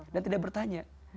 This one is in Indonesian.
dan tidak bertanya